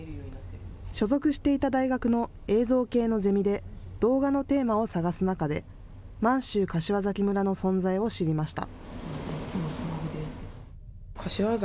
所属していた大学の映像系のゼミで動画のテーマを探す中で満州柏崎村の存在を知りました。